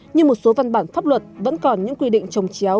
nhưng một số văn bản pháp luật vẫn còn những quy định trồng chéo